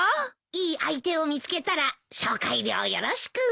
いい相手を見つけたら紹介料よろしく。